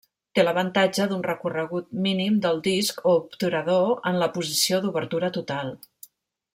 Té l'avantatge d'un recorregut mínim del disc o obturador en la posició d'obertura total.